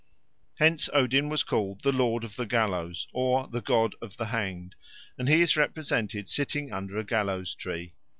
Hence Odin was called the Lord of the Gallows or the God of the Hanged, and he is represented sitting under a gallows tree.